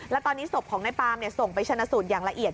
และตอนนี้ศพของนายปามส่งไปชนะสูตรอย่างละเอียด